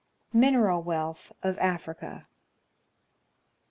Mineral Wealth of Africa.